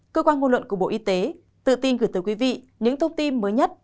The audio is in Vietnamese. cơ quan ngôn luận của bộ y tế tự tin gửi tới quý vị những thông tin mới nhất